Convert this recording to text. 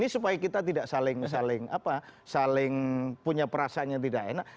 supaya kita tidak saling punya perasaan yang tidak enak